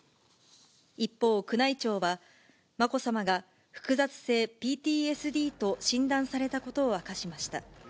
一方、宮内庁は、まこさまが複雑性ＰＴＳＤと診断されたことを明かしました。